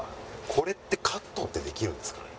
これってカットってできるんですかね？